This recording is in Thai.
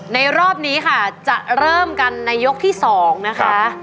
รอบนี้ค่ะจะเริ่มกันในยกที่๒นะคะ